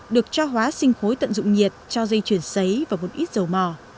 được cho hóa sinh khối tận dụng nhiệt cho dây chuyển sấy và một ít dầu mò